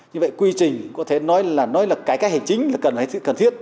như vậy quy trình có thể nói là cái hành chính là cần thiết